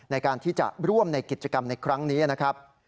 ในการที่จะร่วมในกิจกรรมในครั้งนี้นะครับ